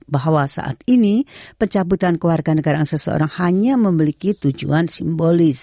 bahwa saat ini pencabutan keluarga negaraan seseorang hanya memiliki tujuan simbolis